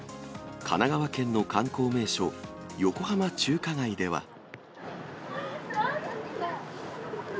神奈川県の観光名所、横浜中華街では。